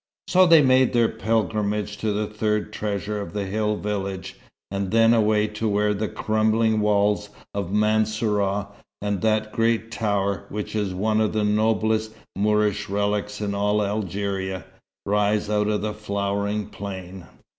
So they made their pilgrimage to the third treasure of the hill village; and then away to where the crumbling walls of Mansourah, and that great tower, which is one of the noblest Moorish relics in all Algeria, rise out of a flowering plain.